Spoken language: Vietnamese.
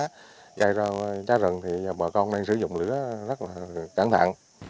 cháy ra rừng thì bà con đang sử dụng lửa rất là căng thẳng